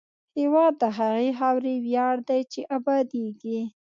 هېواد د هغې خاورې ویاړ دی چې ابادېږي.